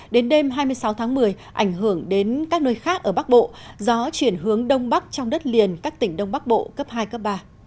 đến đêm hai mươi sáu tháng một mươi ảnh hưởng đến các nơi khác ở bắc bộ gió chuyển hướng đông bắc trong đất liền các tỉnh đông bắc bộ cấp hai cấp ba